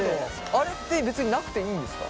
あれって別になくていいんですか？